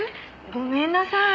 ごめんなさい」